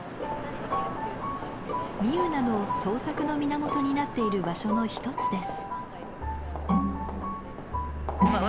みゆなの創作の源になっている場所の一つです。